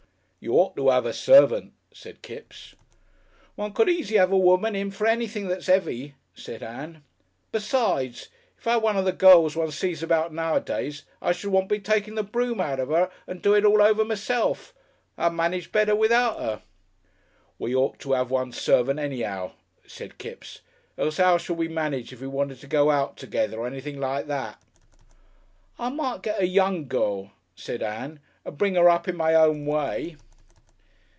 "You ought to 'ave a servant," said Kipps. "One could easy 'ave a woman in for anything that's 'eavy," said Ann. "Besides If I 'ad one of the girls one sees about nowadays I should want to be taking the broom out of 'er 'and and do it all over myself. I'd manage better without 'er." "We ought to 'ave one servant anyhow," said Kipps, "else 'ow should we manage if we wanted to go out together or anything like that?" "I might get a young girl," said Ann, "and bring 'er up in my own way."